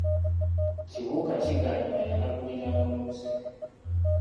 Kibuuka Kigaanira yalaguliranga mu luseke.